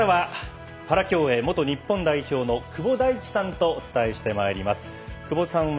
さあ、ここからはパラ競泳元日本代表の久保大樹さんとお伝えしてまいります。